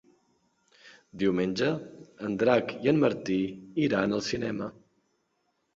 Diumenge en Drac i en Martí iran al cinema.